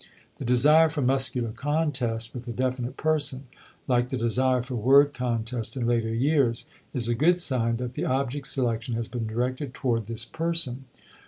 The desire for muscular contest with a definite person, like the desire for word contest in later years, is a good sign that the object selection has been directed toward this person.